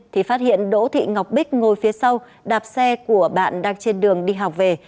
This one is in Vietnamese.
thì phát hiện đỗ thị ngọc bích ngồi phía sau đạp xe của bạn đang trên đường đi học về